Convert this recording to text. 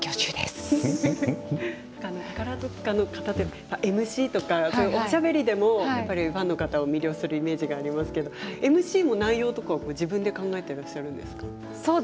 宝塚の方はＭＣとか、おしゃべりでもファンの方を魅了するイメージがありますけどＭＣの内容も自分で考えていらっしゃるんですか？